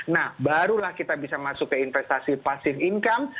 nah barulah kita bisa masuk ke investasi pasif income